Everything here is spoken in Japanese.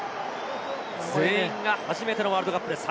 全員が初めてのワールドカップです。